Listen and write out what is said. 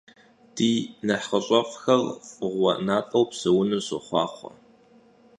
Di nexhış'ef'xer f'ığue nat'eu pseunu soxhuaxhue!